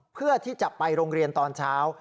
เพื่อที่จะไปโรงเรียนตอนเช้า